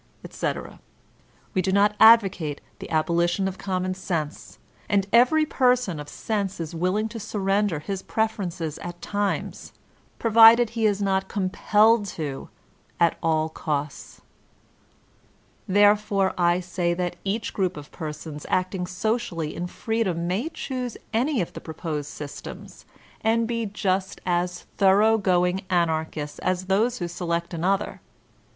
etc We do not advocate the abolition of common sense, and every person of sense is willing to surrender his preferences at times, provided he is not compelled to at all costs.) Therefore I say that each group of persons acting socially in freedom may choose any of the proposed sjrstems, and be just as thorough going Anarchists as those who select another.